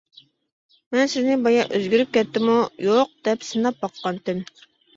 مەن سىزنى بايا ئۆزگىرىپ كەتتىمۇ يوق، دەپ سىناپ باققانتىم.